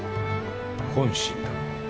本心だ。